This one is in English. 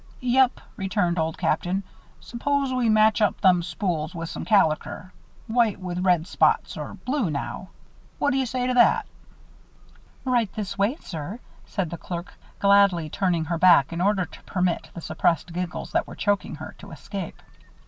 "Yep," returned Old Captain. "Suppose we match up them spools with some caliker white with red spots, or blue, now. What do you say to that?" "Right this way, sir," said the clerk, gladly turning her back in order to permit the suppressed giggles that were choking her, to escape.